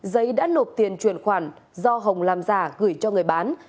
giấy đã nộp tiền chuyển khoản do hồng làm giả gửi cho người bán